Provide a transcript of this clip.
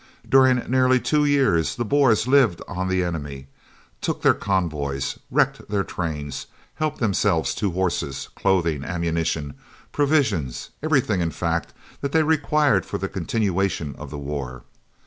During nearly two years the Boers lived on the enemy, took their convoys, wrecked their trains, helped themselves to horses, clothing, ammunition, provisions everything, in fact, that they required for the continuation of the war.